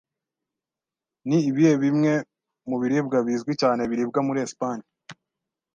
Ni ibihe bimwe mu biribwa bizwi cyane biribwa muri Espanye?